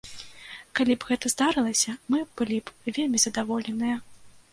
Калі б гэта здарылася, мы былі б вельмі задаволеныя.